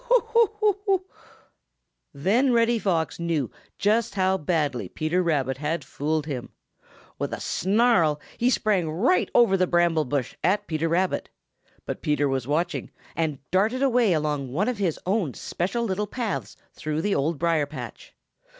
Ho, ho, ho!" Then Reddy Fox knew just how badly Peter Rabbit had fooled him. With a snarl he sprang right over the bramble bush at Peter Rabbit, but Peter was watching and darted away along one of his own special little paths through the Old Briar patch.